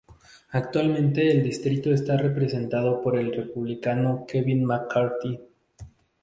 Actualmente el distrito está representado por el Republicano Kevin McCarthy.